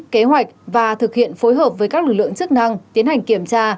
kế hoạch và thực hiện phối hợp với các lực lượng chức năng tiến hành kiểm tra